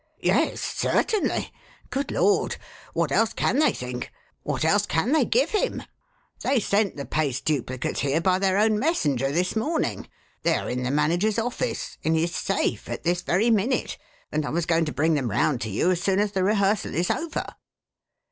"Yes, certainly! Good Lord! what else can they think what else can they give him? They sent the paste duplicates here by their own messenger this morning! They are in the manager's office in his safe at this very minute; and I was going to bring them round to you as soon as the rehearsal is over!"